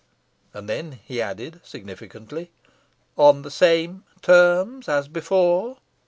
And then he added, significantly "on the same terms as before."